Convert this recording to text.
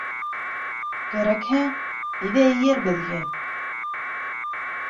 Кәрәкһә, әйҙә эйәр беҙгә!